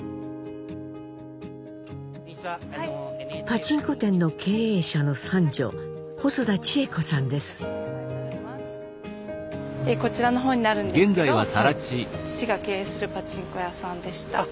パチンコ店の経営者の三女こちらのほうになるんですけど父が経営するパチンコ屋さんでした。